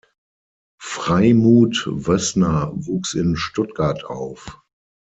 Freimut Wössner wuchs in Stuttgart auf.